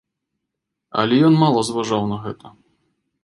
Але ён мала зважаў на гэта.